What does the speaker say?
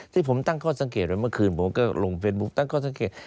ที่ผมตั้งข้อสังเกตว่าเมื่อคืนผมก็ลงเฟซบุ๊คตั้งข้อสังเกต